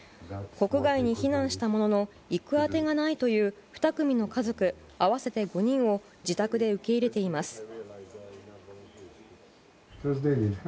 国外に避難したものの行く当てがないという２組の家族合わせて５人を自宅で受け入れています。